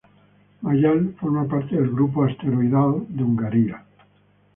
Mayall forma parte del grupo asteroidal de Hungaria.